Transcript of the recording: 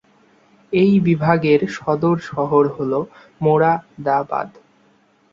এই বিভাগের সদর শহর হল মোরাদাবাদ।